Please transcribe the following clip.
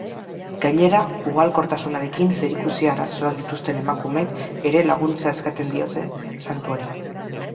Gainera, ugalkortasunarekin zerikusia arazoak dituzten emakumeek ere laguntza eskatzen diote santuari.